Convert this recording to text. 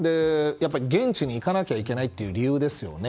現地に行かなければいけない理由ですよね。